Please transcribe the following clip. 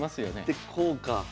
でこうか。